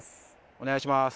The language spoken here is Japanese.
お願いします。